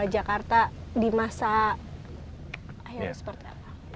jakarta di masa akhirnya seperti apa